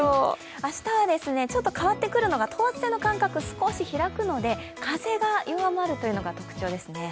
明日は変わってくるのが等圧線の間隔、少し開いてくるので風が弱まるというのが特徴ですね。